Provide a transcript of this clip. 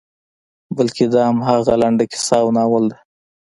بلکې دا همغه لنډه کیسه او ناول ده.